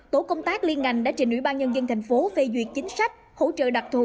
tổ công tác liên ngành đã trình ủy ban nhân dân thành phố phê duyệt chính sách hỗ trợ đặc thù